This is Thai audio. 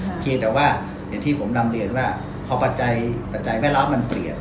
เพียงแต่ว่าอย่างที่ผมนำเรียนว่าพอปัจจัยปัจจัยแวดล้อมมันเปลี่ยน